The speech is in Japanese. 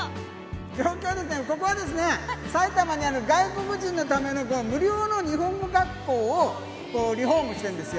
状況ですね、ここは埼玉にある外国人のための無料の日本語学校をリフォームしてるんですよ。